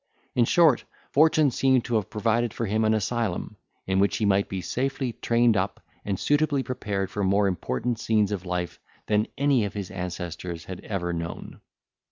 In short, fortune seemed to have provided for him an asylum, in which he might be safely trained up, and suitably prepared for more important scenes of life than any of his ancestors had ever known.